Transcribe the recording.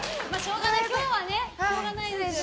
今日はしょうがないですね。